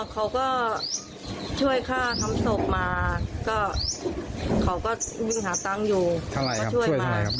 เขาก็ช่วยฆ่าทำพวกมาก็เขาก็หาตังค์อยู่เท่าไหร่ครับช่วยค่ะ